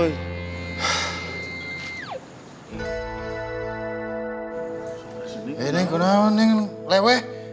eh neng kenapa neng lewe